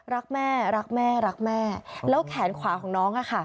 รักแม่รักแม่รักแม่แล้วแขนขวาของน้องอะค่ะ